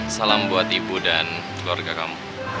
salam buat ibu dan keluarga kamu